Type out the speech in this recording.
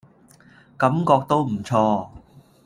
感覺都唔錯